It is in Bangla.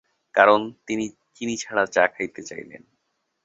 কারণ তিনি চিনি ছাড়া চা খেতে চাইলেন।